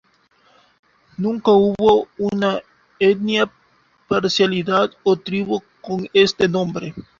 Nunca hubo una etnia, parcialidad o tribu con este nombre.